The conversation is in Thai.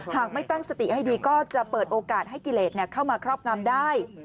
หากไม่ตั้งสติให้ดีก็จะเปิดโอกาสให้กิเลสเข้ามาครอบงำได้